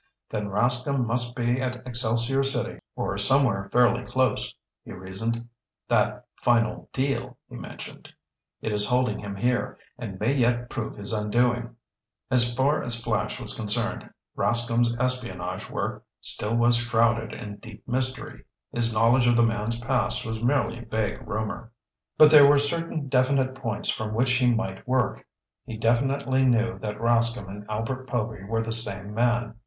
"Then Rascomb must be at Excelsior City or somewhere fairly close," he reasoned. "That final 'deal' he mentioned! It is holding him here and may yet prove his undoing!" As far as Flash was concerned, Rascomb's espionage work still was shrouded in deep mystery. His knowledge of the man's past was merely vague rumor. But there were certain definite points from which he might work. He definitely knew that Rascomb and Albert Povy were the same man.